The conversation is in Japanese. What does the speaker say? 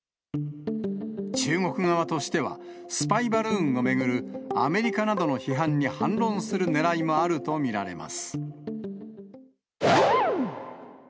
中国側としては、スパイバルーンを巡るアメリカなどの批判に反論するねらいもあると見られます。